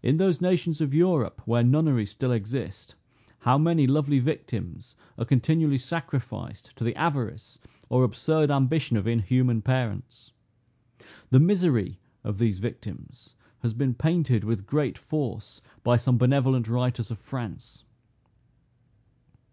In those nations of Europe where nunneries still exist, how many lovely victims are continually sacrificed to the avarice or absurd ambition of inhuman parents! The misery of these victims has been painted with great force by some benevolent writers of France.